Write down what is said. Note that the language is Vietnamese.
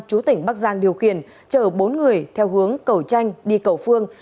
chú tỉnh bắc giang điều khiển chở bốn người theo hướng cầu tranh đi cầu phương